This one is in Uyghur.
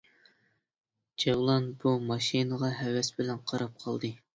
جەۋلان بۇ ماشىنىغا ھەۋەس بىلەن قاراپ قالدى.